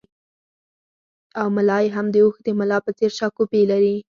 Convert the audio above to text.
او ملا یې هم د اوښ د ملا په څېر شاکوپي لري